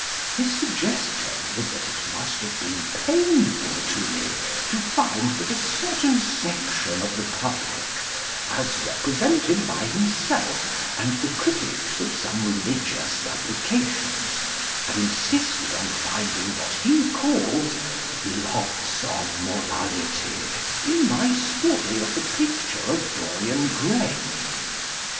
His suggestion was that it must have been painful to me to find that a certain section of the public, as represented by himself and the critics of some religious publications, had insisted on finding what he calls "lots of morality" in my story of "The Picture of Dorian Gray."